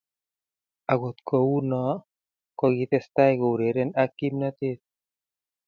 Ogot ko uu noe kokitestai koureren ak kimnotee psg.